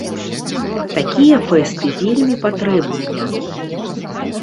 Такія фэсты вельмі патрэбныя.